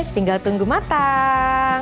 tinggal tunggu matang